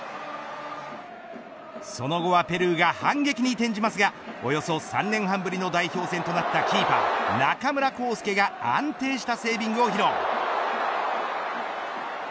その後はペルーが反撃に転じますがおよそ３年半ぶりの代表戦となったキーパー中村航輔が安定したセービングを披露。